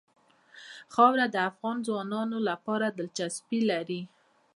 خاوره د افغان ځوانانو لپاره دلچسپي لري.